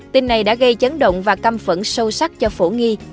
tin này đã gây chấn động và căm phẫn sâu sắc cho phổ nghi